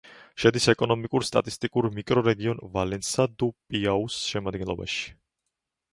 შედის ეკონომიკურ-სტატისტიკურ მიკრორეგიონ ვალენსა-დუ-პიაუის შემადგენლობაში.